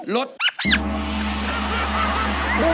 รถชนเหรอครับ